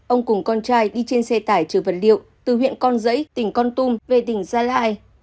ông cùng con trai đi trên xe tải trừ vật liệu từ huyện con rẫy tỉnh con tum về tỉnh gia lai